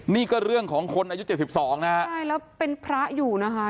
นี่ก็เรื่องของคนอายุ๗๒นะครับใช่แล้วเป็นพระอยู่นะคะ